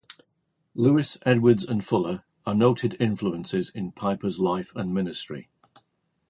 Lewis, Edwards and Fuller are noted influences in Piper's life and ministry.